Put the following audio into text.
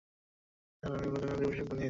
Sir, আমি আপনার জন্য লেবুর শরবত বানিয়েছি।